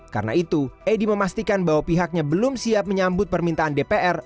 karena itu edy memastikan bahwa pihaknya belum siap menyambut permintaan dpr